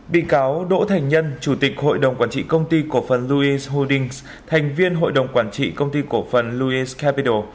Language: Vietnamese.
bị cáo đỗ thành nhân chủ tịch hội đồng quản trị công ty cổ phần louice holdings thành viên hội đồng quản trị công ty cổ phần louice capital